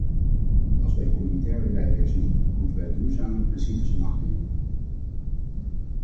Als wij communautair beleid herzien, moeten wij duurzame principes in acht nemen.